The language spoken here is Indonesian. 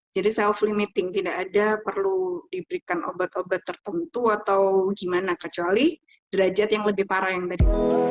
jadi self limiting tidak ada perlu diberikan obat obat tertentu atau gimana kecuali derajat yang lebih parah yang tadi